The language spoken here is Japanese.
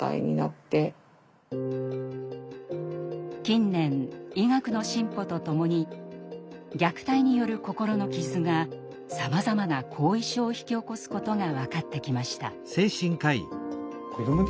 近年医学の進歩とともに虐待による心の傷がさまざまな後遺症を引き起こすことが分かってきました。